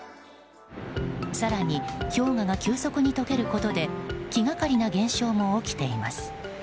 更に、氷河が急速に解けることで気がかりな現象も起きています。